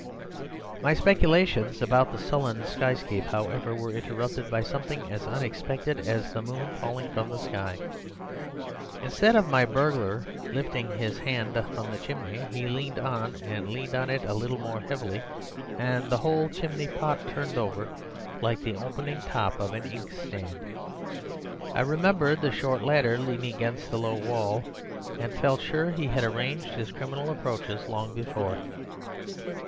"My speculations about the sullen skyscape, however, were interrupted by something as unexpected as the moon falling from the sky. Instead of my burglar lifting his hand from the chimney he leaned on, he leaned on it a little more heavily, and the whole chimney pot turned over like the opening top of an inkstand. I remembered the short ladder leaning against the low wall and felt sure he had arranged his criminal approach long before.